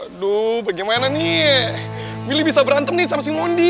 aduh bagaimana nih willy bisa berantem nih sama si mondi